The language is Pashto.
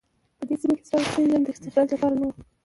په دې سیمه کې سره او سپین زر د استخراج لپاره نه وو.